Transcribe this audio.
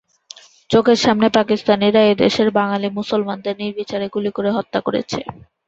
চোখের সামনে পাকিস্তানিরা এ দেশের বাঙ্গালী মুসলমানদের নির্বিচারে গুলি করে হত্যা করেছে।